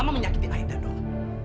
akhirnya apa yangmu bilang